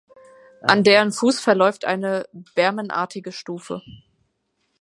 An deren Fuß verläuft eine bermenartige Stufe.